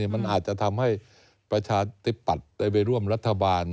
มันอาจจะทำให้ประชาธิปัตย์ได้ไปร่วมรัฐบาล